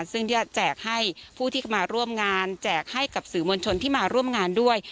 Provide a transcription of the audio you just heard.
ซึ่งที่จะแจกให้ผู้ที่เข้ามาร่วมงานแจกให้กับสื่อมวลชนที่มาร่วมงานด้วย